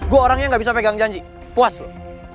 gue orangnya gak bisa pegang janji puas loh